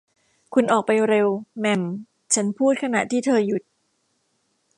คุณออกไปเร็ว แหม่ม ฉันพูดขณะที่เธอหยุด